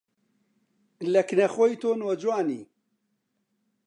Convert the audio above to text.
لە کنە خۆی تۆ نۆجوانی